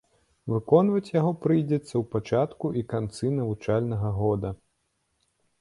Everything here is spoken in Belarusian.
Выконваць яго прыйдзецца ў пачатку і канцы навучальнага года.